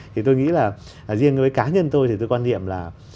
thì tôi nghĩ là riêng với cá nhân tôi thì tôi quan niệm là